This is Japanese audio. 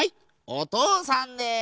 おとうさんです！